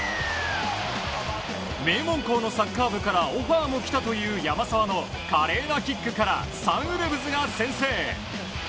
名門校のサッカー部からオファーもきたという山沢の華麗なキックからサンウルブズが先制。